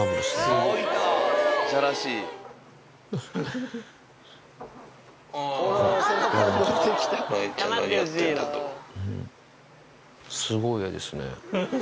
すごい絵ですね。